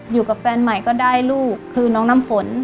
อยู่กับแฟนใหม่ก็ได้ลูกคือน้องน้ำฝน